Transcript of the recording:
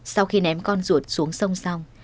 sau khi ném con ruột xuống sông xong